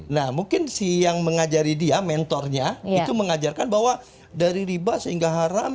nah mungkin si yang mengajari dia mentornya itu mengajarkan bahwa dari riba sehingga haram